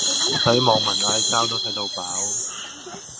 睇網民嗌交都睇到飽